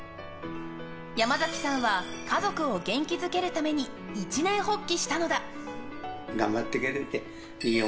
山崎さんは家族を元気づけるために一念発起したのだ。